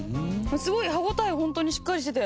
すごい歯応えホントにしっかりしてて。